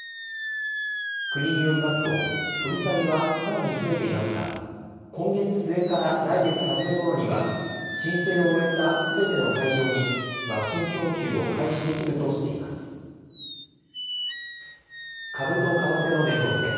国によりますと、取り下げはさらに増えていますが、今月末から来月初め頃には、申請を終えたすべての会場にワクチン供給を開始できるとしています。